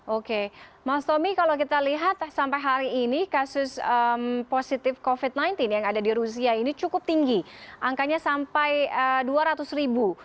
oke mas tommy kalau kita lihat sampai hari ini kasus positif covid sembilan belas yang ada di rusia ini cukup tinggi angkanya sampai dua ratus ribu